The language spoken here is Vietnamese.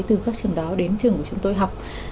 từ các trường đó đến trường của chúng tôi học